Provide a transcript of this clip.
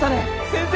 先生。